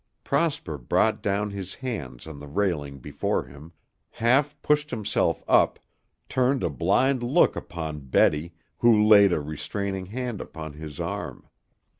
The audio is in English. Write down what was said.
Prosper brought down his hands on the railing before him, half pushed himself up, turned a blind look upon Betty, who laid a restraining hand upon his arm.